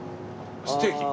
ステーキ。